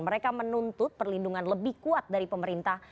mereka menuntut perlindungan lebih kuat dari pemerintah